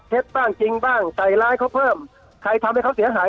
บ้างจริงบ้างใส่ร้ายเขาเพิ่มใครทำให้เขาเสียหาย